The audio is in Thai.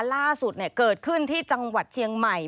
ล่าสุดเกิดขึ้นที่จังหวัดเชียงใหม่